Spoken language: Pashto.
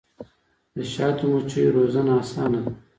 د شاتو مچیو روزنه اسانه ده؟